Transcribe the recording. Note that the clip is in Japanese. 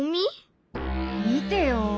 見てよ。